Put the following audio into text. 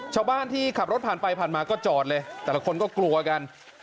ชาวบ้านที่ขับรถผ่านไปผ่านมาก็จอดเลยแต่ละคนก็กลัวกัน